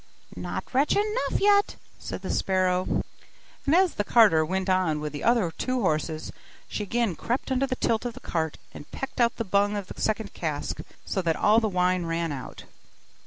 'Not wretch enough yet!' said the sparrow. And as the carter went on with the other two horses, she again crept under the tilt of the cart, and pecked out the bung of the second cask, so that all the wine ran out.